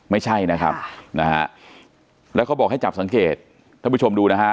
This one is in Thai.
ไม่ใช่นะครับนะฮะแล้วเขาบอกให้จับสังเกตท่านผู้ชมดูนะฮะ